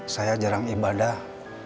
saya jarang ibadah